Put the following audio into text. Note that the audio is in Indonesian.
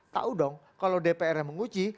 tahu dong kalau dpr yang menguji